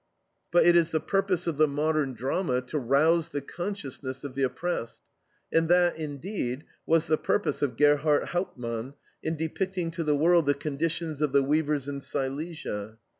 But it is the purpose of the modern drama to rouse the consciousness of the oppressed; and that, indeed, was the purpose of Gerhardt Hauptmann in depicting to the world the conditions of the weavers in Silesia.